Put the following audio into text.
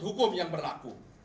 hukum yang berlaku